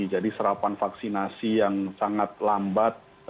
jadi serapan vaksinasi yang sangat lambat